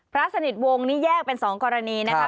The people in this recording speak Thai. พระสนิทวงศ์นี่แยกเป็น๒กรณีนะครับ